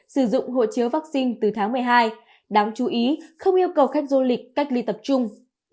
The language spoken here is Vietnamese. sử dụng hộ chiếu vaccine từ tháng một mươi hai đáng chú ý không yêu cầu khách du lịch cách ly tập trung